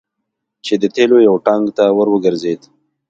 چې د تیلو یو ټانګ ته ور وګرځید.